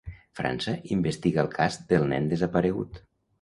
França investiga el cas del nen desaparegut.